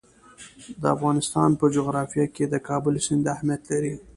د افغانستان په جغرافیه کې د کابل سیند اهمیت لري.